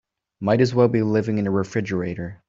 Might as well be living in a refrigerator.